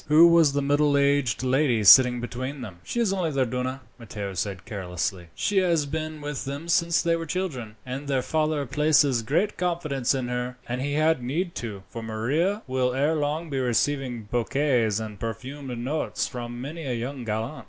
"Who was the middle aged lady sitting between them?" "She is only their duenna," Matteo said carelessly. "She has been with them since they were children, and their father places great confidence in her. And he had need to, for Maria will ere long be receiving bouquets and perfumed notes from many a young gallant."